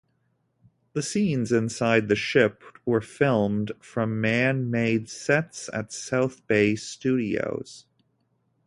The scenes inside the ship were filmed from man-made sets at South Bay Studios.